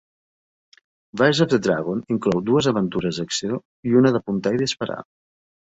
"Rise of the Dragon" inclou dues aventures d'acció i una d'apuntar i disparar.